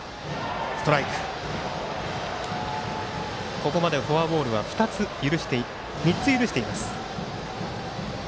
ここまでフォアボールは３つ許しています。